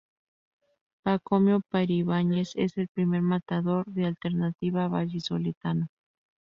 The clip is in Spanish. Pacomio Peribáñez es el primer matador de alternativa vallisoletano.